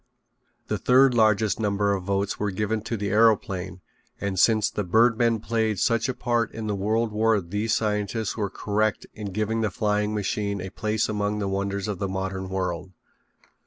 The third largest number of votes were given to the aeroplane and since the birdmen played such a part in the world war these scientists were correct in giving the flying machine a place among the wonders of the modern world.